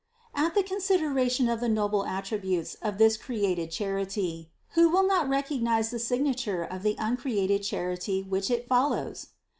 520. At the consideration of the noble attributes of this created charity, who will not recognize the signa ture of the uncreated Charity which it follows